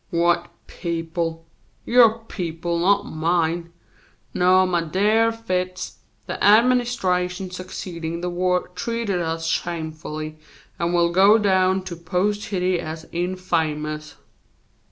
"What people? Yo' people, not mine. No, my dear Fitz; the Administration succeeding the war treated us shamefully, and will go down to postehity as infamous."